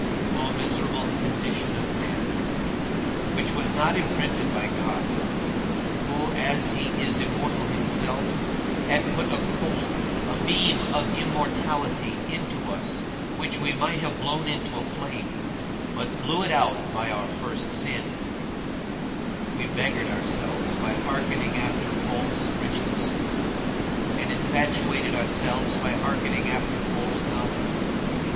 O miserable condition of man! which was not imprinted by God, who, as he is immortal himself, had put a coal, a beam of immortality into us, which we might have blown into a flame, but blew it out by our first sin; we beggared ourselves by hearkening after false riches, and infatuated ourselves by hearkening after false knowledge.